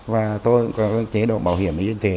và tôi có chế độ bảo hiểm y tế